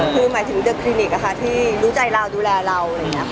คือหมายถึงเดอะคลินิกที่รู้ใจเราดูแลเรา